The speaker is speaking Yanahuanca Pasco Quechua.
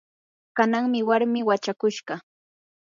kananmi warmii wachakushqa.